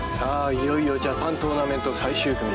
いよいよジャパントーナメント最終組。